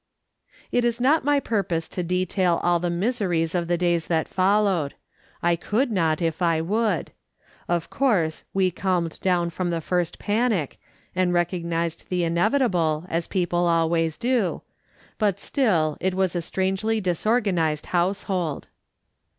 It is not my purpose to detail all the miseries of the days that followed. I could not if I would. Of course we calmed down from the first panic, and recognised the inevitable, as people always do ; but still it was a strangely disorganised household.